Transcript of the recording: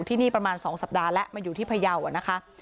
ที่นี่ประมาณ๒สัปดาห์แล้วมาอยู่ที่พยาวอะนะคะ